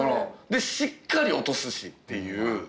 でしっかり落とすしっていう。